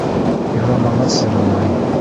Ярамағас, ярамай!